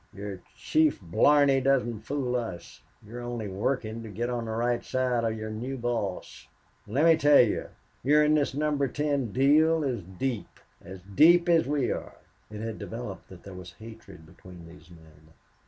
"Your chief blarney doesn't fool us. You're only working to get on the right side of your new boss.... Let me tell you you're in this Number Ten deal as deep as deep as we are." It had developed that there was hatred between these men.